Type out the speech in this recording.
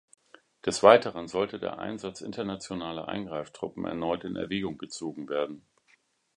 Des weiteren sollte der Einsatz internationaler Eingreiftruppen erneut in Erwägung gezogen werden.